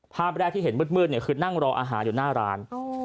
ภาพแรกที่เห็นมืดคือนั่งรออาหารอยู่หน้าร้าน